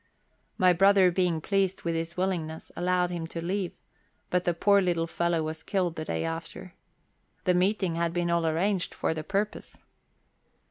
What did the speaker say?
My brother being pleased with his willingness, allowed him to leave, but the poor little fellow was killed the day after. The meeting had been all arranged for the purpose.